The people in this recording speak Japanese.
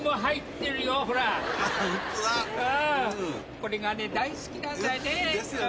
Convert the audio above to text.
これが大好きなんだよね。